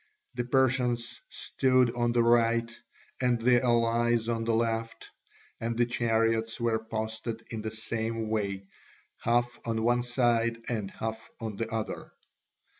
The Persians stood on the right, and the allies on the left, and the chariots were posted in the same way, half on one side and half on the other.